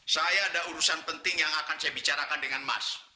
saya ada urusan penting yang akan saya bicarakan dengan mas